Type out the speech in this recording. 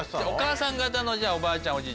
お母さん方のじゃあおばあちゃん